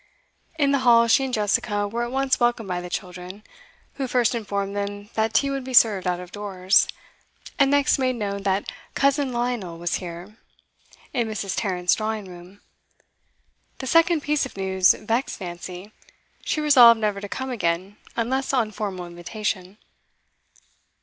In the hall she and Jessica were at once welcomed by the children, who first informed them that tea would be served out of doors, and next made known that 'cousin Lionel' was here, in Mrs. Tarrant's drawing room. The second piece of news vexed Nancy; she resolved never to come again, unless on formal invitation.